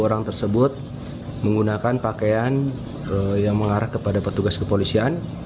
sepuluh orang tersebut menggunakan pakaian yang mengarah kepada petugas kepolisian